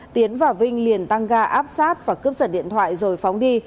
tiến và vinh liền tăng ga áp sát và cướp giật điện thoại rồi phóng đi